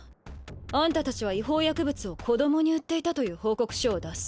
あんたたちは違法薬物を子供に売っていたという報告書を出す。